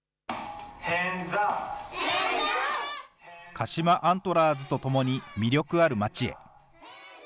鹿島アントラーズと共に魅力あるまちへ。